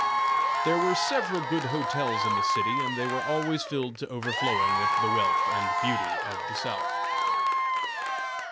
There were several good hotels in the city and they were always filled to overflowing with the wealth and beauty of the South.